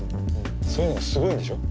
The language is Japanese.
そういうのすごいんでしょう？